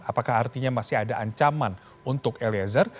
apakah artinya masih ada ancaman untuk eliezer